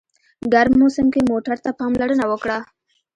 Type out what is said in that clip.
ګرم موسم کې موټر ته پاملرنه وکړه.